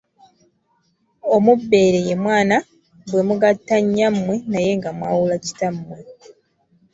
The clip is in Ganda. Omubbeere ye mwana bwe mugatta nnyammwe naye nga mwawula kitammwe.